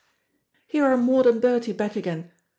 Here are Maud and Bertie back again.